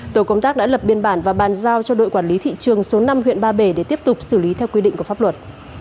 tổ công tác đã lập biên bản và bàn giao cho đội quản lý thị trường số năm huyện ba bể để tiếp tục xử lý theo quy định của pháp luật